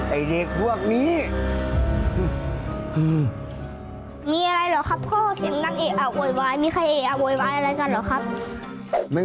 ไอ้เด็กพวกนี้